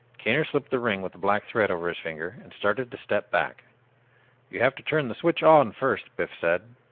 Kaner slipped the ring with the black thread over his finger and started to step back. "You have to turn the switch on first," Biff said.